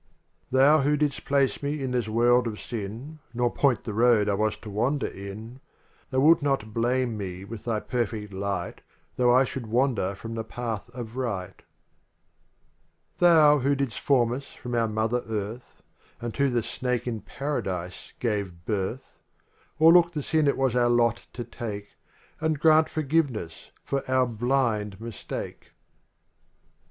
LXJCX Thou who didst place me in this world of sin, Nor point the road I was to wander in, Thou wilt not blame me with Thy perfect light Tho' I should wander from the path of right LXXXI Thou who didst form us from our mother earth, And to the snake in Paradise gave birth — Oerlook the sin it was our lot to take And grant forgiveness for our blind mistake.